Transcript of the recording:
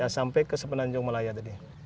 sampai ke sepenanjung malaya tadi